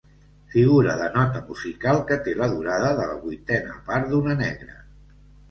Figura de nota musical que té la durada de la vuitena part d'una negra.